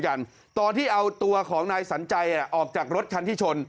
กันตอนที่เอาตัวของนายสัญใจออกจากรถคันที่ชน